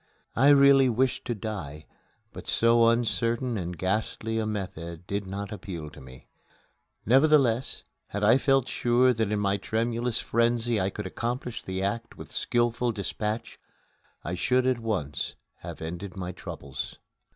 I really wished to die, but so uncertain and ghastly a method did not appeal to me. Nevertheless, had I felt sure that in my tremulous frenzy I could accomplish the act with skilful dispatch, I should at once have ended my troubles.